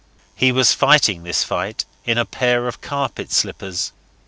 He was fighting this fight in a pair of carpet slippers.